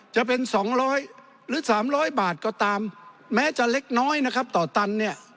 จะเป็น๒๐๐หรือ๓๐๐บาทก็ตามแม้จะเล็กน้อยนะครับต่อตันเนี่ย